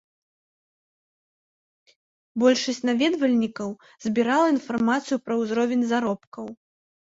Большасць наведвальнікаў збірала інфармацыю пра ўзровень заробкаў.